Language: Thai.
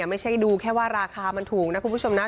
ไม่ใช่ดูแค่ว่าราคามันถูกนะคุณผู้ชมนะ